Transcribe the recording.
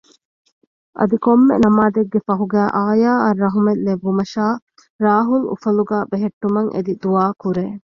އަދި ކޮންމެ ނަމާދެއްގެ ފަހުގައި އާޔާއަށް ރަހުމަތް ލެއްވުމަށާ ރާހުލް އުފަލުގައި ބެހެއްޓުމަށް އެދި ދުޢާ ކުރޭ